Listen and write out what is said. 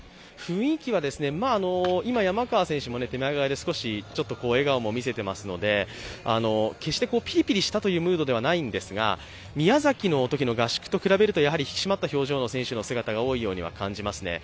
今、山川選手も手前側で笑顔も見せていますので決してピリピリしたムードではないんですが、宮崎のときの合宿と比べると、引き締まった表情の選手が多い気がしますね。